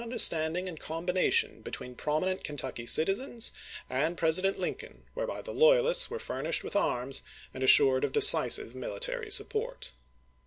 derstanding and combination between prominent Kentucky citizens and President Lincoln whereby tbe loyalists were furnished with arms and assured of decisive military support.